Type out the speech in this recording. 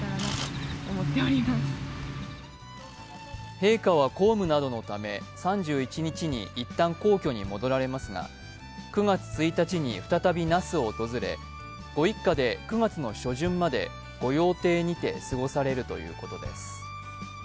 陛下は公務などのため３１日にいったん皇居に戻られますが９月１日に再び那須を訪れご一家で９月の初旬まで御用邸にて過ごされるということです。